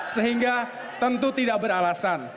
sehingga tentu tidak beralasan